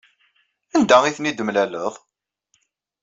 Anda ay ten-id-temlaleḍ?